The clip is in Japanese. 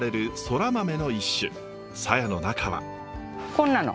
こんなの。